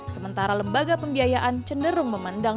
sementara lembaga pembiayaan cenderung memandang